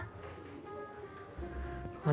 nanti aku mau ngajak